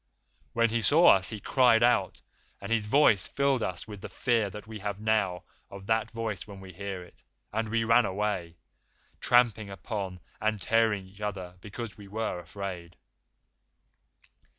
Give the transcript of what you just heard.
When he saw us he cried out, and his voice filled us with the fear that we have now of that voice when we hear it, and we ran away, tramping upon and tearing each other because we were afraid.